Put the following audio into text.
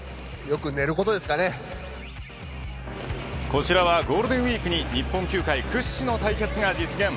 こちらはゴールデンウイークに日本球界屈指の対決が実現。